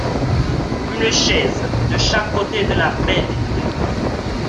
Une chaise de chaque côté de la baie vitrée.